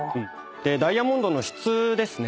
ダイヤモンドの質ですね。